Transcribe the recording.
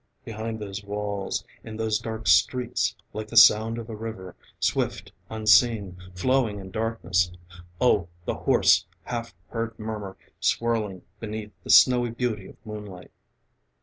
Behind those walls, in those dark streets, Like the sound of a river, swift, unseen, Flowing in darkness. Oh, the hoarse Half heard murmur swirling beneath The snowy beauty of moonlight....